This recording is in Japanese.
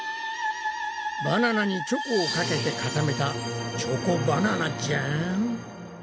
バナナにチョコをかけて固めたチョコバナナじゃん。